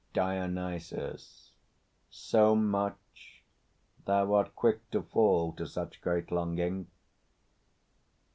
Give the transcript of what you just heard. DIONYSUS. So much? Thou art quick to fall To such great longing.